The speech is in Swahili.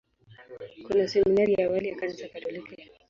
Kuna seminari ya awali ya Kanisa Katoliki.